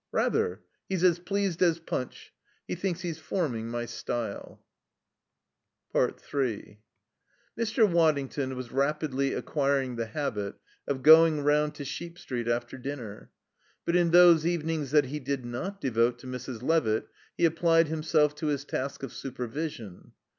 "Rather. He's as pleased as Punch. He thinks he's forming my style." 3 Mr. Waddington was rapidly acquiring the habit of going round to Sheep Street after dinner. But in those evenings that he did not devote to Mrs. Levitt he applied himself to his task of supervision.